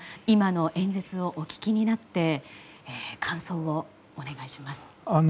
今の演説をお聞きになって感想をお願いします。